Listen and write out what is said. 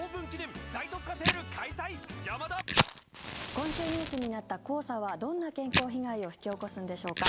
今週ニュースになった黄砂はどんな健康被害を引き起こすんでしょうか。